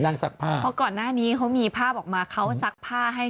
ซักผ้าเพราะก่อนหน้านี้เขามีภาพออกมาเขาซักผ้าให้